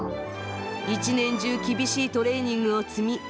一年中厳しいトレーニングを積み